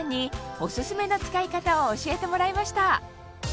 オススメの使い方を教えてもらいました